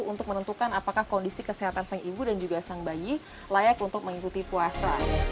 untuk menentukan apakah kondisi kesehatan sang ibu dan juga sang bayi layak untuk mengikuti puasa